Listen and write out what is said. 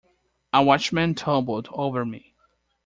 A watchman tumbled over me.